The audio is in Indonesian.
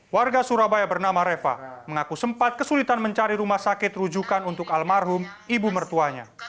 warga surabaya bernama reva mengaku sempat kesulitan mencari rumah sakit rujukan untuk almarhum ibu mertuanya